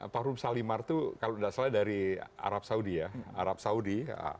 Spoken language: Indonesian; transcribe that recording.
parfum salimar itu kalau tidak salah dari arab saudi